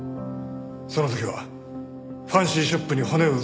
その時はファンシーショップに骨をうずめますよ。